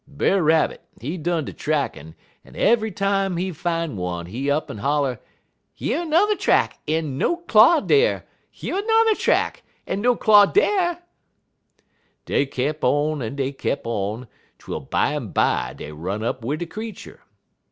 Brer Rabbit, he done de trackin', en eve'y time he fine one, he up'n holler: "'Yer 'n'er track, en no claw dar! Yer 'n'er track, en no claw dar!' "Dey kep' on en kep' on, twel bimeby dey run up wid de creetur.